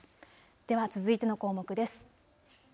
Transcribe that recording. では続いての項目です。